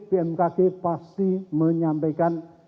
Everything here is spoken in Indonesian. bmkg pasti menyampaikan